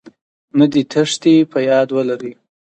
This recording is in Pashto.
نه دې تېښتې.په ياد ولرئ